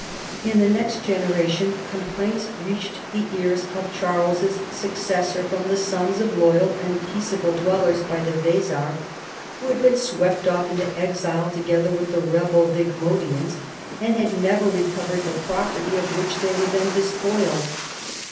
In the n(;xt generation complaints reached the ears of Charles's successor from the sons of loyal and peace able dwellers by the Weser Avho had been swept off into exile together with the rebel Wigmodians, and had never recovered the property of which they were then despoiled.